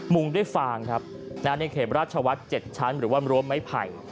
งด้วยฟางครับในเขตราชวัฒน์๗ชั้นหรือว่ารั้วไม้ไผ่